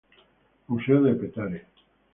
Museo de Petare.